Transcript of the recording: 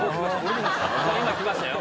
今来ましたよ